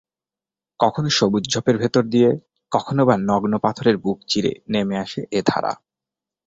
কখনো সবুজ ঝোপের ভেতর দিয়ে, কখনোবা নগ্ন পাথরের বুক চিরে নেমে আসে এ ধারা।